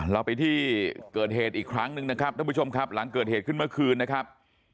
เราไปที่เกิดเหตุอีกครั้งหนึ่งนะครับท่านผู้ชมครับหลังเกิดเหตุขึ้นเมื่อคืนนะครับ